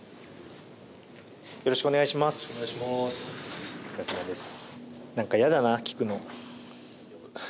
よろしくお願いします。